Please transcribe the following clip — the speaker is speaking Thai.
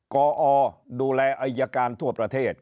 กอดูแลอายการทั่วประเทศ